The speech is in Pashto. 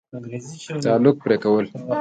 تعلق پرې كول